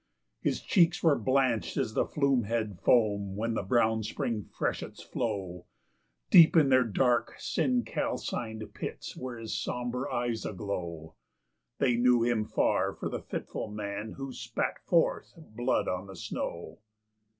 His cheeks were blanched as the flume head foam when the brown spring freshets flow; Deep in their dark, sin calcined pits were his sombre eyes aglow; They knew him far for the fitful man who spat forth blood on the snow.